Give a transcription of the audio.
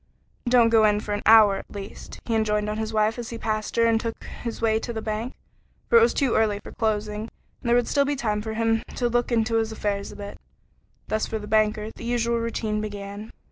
"Don't go in for an hour at least," he enjoined on his wife as he passed her and took his way to the bank, for it was too early for closing, and there would still be time for him to look into his affairs a bit. Thus for the banker the usual routine began.